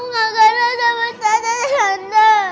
aku gak kena sama tante tante honda